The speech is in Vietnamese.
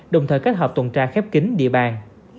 đồng thời kết hợp tuần tra khép kính địa bàn